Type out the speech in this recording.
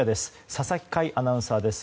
佐々木快アナウンサーです。